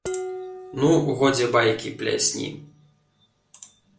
Ну, годзе байкі плясні.